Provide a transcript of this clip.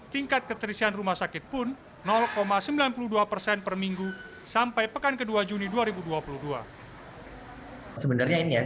tingkat keterisian rumah sakit pun sembilan puluh dua persen per minggu sampai pekan ke dua juni dua ribu dua puluh dua